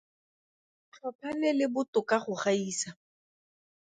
Tlhopha le le botoka go gaisa.